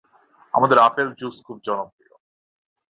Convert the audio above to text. আমাদের apple juice খুব জনপ্রিয়।